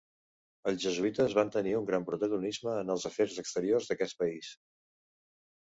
Els jesuïtes van tenir un gran protagonisme en els afers exteriors d'aquest país.